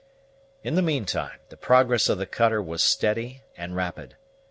In the meantime the progress of the cutter was steady and rapid.